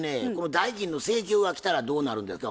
代金の請求が来たらどうなるんですか？